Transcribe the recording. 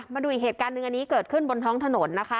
มาดูอีกเหตุการณ์หนึ่งอันนี้เกิดขึ้นบนท้องถนนนะคะ